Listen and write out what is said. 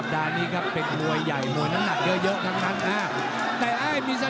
โดยโปรมาตเตอร์ส่งชัยนะครับ